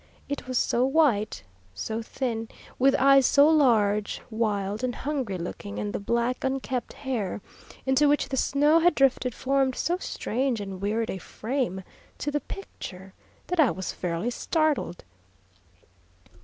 It was so white, so thin, with eyes so large, wild, and hungry looking, and the black, unkempt hair, into which the snow had drifted, formed so strange and weird a frame to the picture, that I was fairly startled.